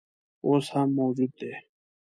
اوس هم موجود دی.